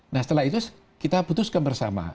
nah setelah itu kita putuskan bersama